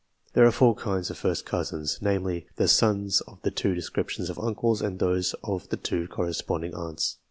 There are four kinds of first cousins, namely, the sons of the two descriptions of uncles and those of the two cor responding aunts.